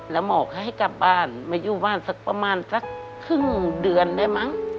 แล้วหมอก็ให้กลับบ้านมาอยู่บ้านสักประมาณสักครึ่งเดือนได้มั้ง